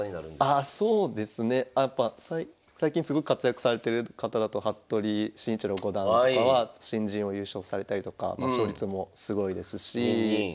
あそうですね最近すごく活躍されてる方だと服部慎一郎五段とかは新人王優勝されたりとか勝率もすごいですし。